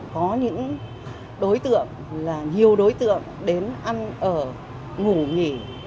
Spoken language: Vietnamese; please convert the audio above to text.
có những đối tượng là nhiều đối tượng đến ăn ở ngủ nghỉ